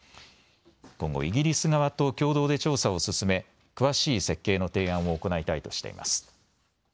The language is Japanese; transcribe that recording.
今後、イギリス側と共同で調査を進め、詳しい設計の提案を行いたいとしています。